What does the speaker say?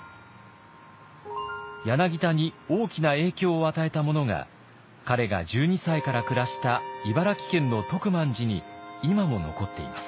柳田に大きな影響を与えたものが彼が１２歳から暮らした茨城県の徳満寺に今も残っています。